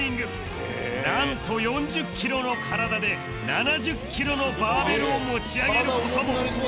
なんと４０キロの体で７０キロのバーベルを持ち上げる事も